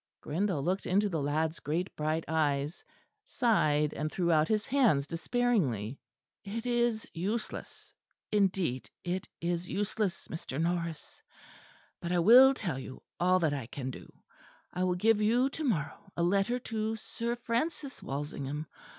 Grindal looked into the lad's great bright eyes; sighed; and threw out his hands despairingly. "It is useless; indeed it is useless, Mr. Norris. But I will tell you all that I can do. I will give you to morrow a letter to Sir Francis Walsingham.